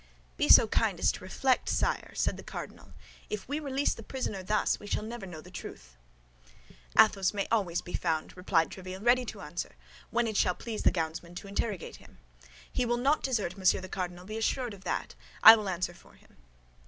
"Be so kind as to reflect, sire," said the cardinal. "If we release the prisoner thus, we shall never know the truth." "Athos may always be found," replied Tréville, "ready to answer, when it shall please the gownsmen to interrogate him. He will not desert, Monsieur the Cardinal, be assured of that; I will answer for him."